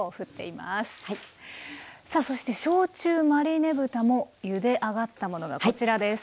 さあそして焼酎マリネ豚もゆで上がったものがこちらです。